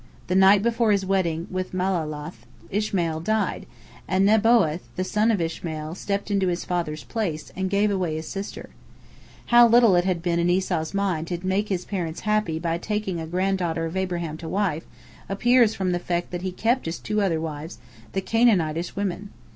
The night before his wedding with Mahalath Ishmael died, and Nebaioth, the son of Ishmael, stepped into his father's place, and gave away his sister. How little it had been in Esau's mind to make his parents happy by taking a granddaughter of Abraham to wife, appears from the fact that he kept his two other wives, the Canaanitish women.